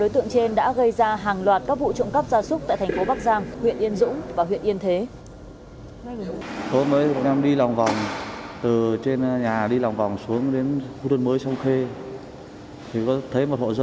tượng trên đã gây ra hàng loạt các vụ trộm cắp ra súc tại thành phố bắc giang huyện yên dũng và huyện yên thế